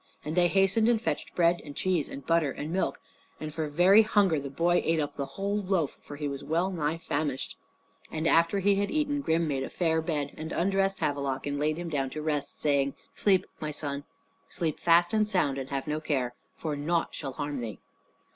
And they hastened and fetched bread and cheese and butter and milk; and for very hunger the boy ate up the whole loaf, for he was well nigh famished. And after he had eaten, Grim made a fair bed and undressed Havelok and laid him down to rest, saying, "Sleep, my son; sleep fast and sound and have no care, for nought shall harm thee."